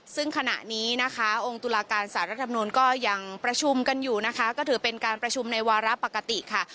ซึ่งขณะนี้นะคะองค์ตุลาการสารรัฐมนุนก็ยังประชุมกันอยู่นะคะก็ถือเป็นการประชุมในวาระปกติค่ะ